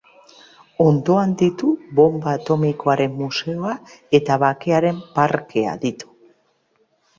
Ondoan ditu Bonba Atomikoaren Museoa eta Bakearen Parkea ditu.